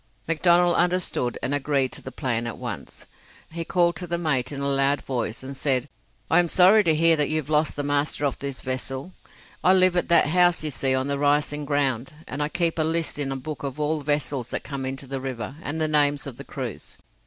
McDonnell understood, and agreed to the plan at once. He called to the mate in a loud voice, and said: "I am sorry to hear that you have lost the master of this vessel. I live at that house you see on the rising ground, and I keep a list in a book of all vessels that come into the river, and the names of the crews.